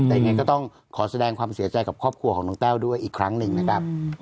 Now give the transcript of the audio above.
แต่ยังไงก็ต้องขอแสดงความเสียใจกับครอบครัวของน้องแต้วด้วยอีกครั้งหนึ่งนะครับ